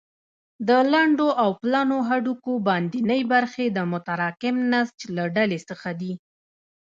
د لنډو او پلنو هډوکو باندنۍ برخې د متراکم نسج له ډلې څخه دي.